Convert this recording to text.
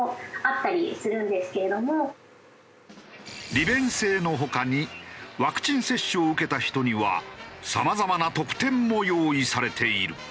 利便性の他にワクチン接種を受けた人にはさまざまな特典も用意されている。